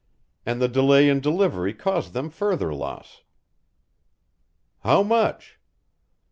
And the delay in delivery caused them further loss." "How much?"